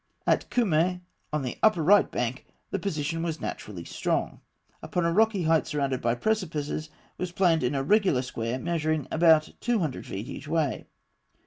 At Kûmmeh, on the right bank, the position was naturally strong (fig. 34). Upon a rocky height surrounded by precipices was planned an irregular square measuring about 200 feet each way.